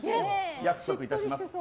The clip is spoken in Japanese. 約束いたします。